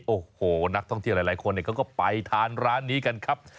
โอ้โหนักท่องเที่ยวหลายคนเขาก็ไปทานร้านนี้กันครับ